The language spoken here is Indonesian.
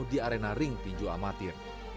di arena ring tinju amatir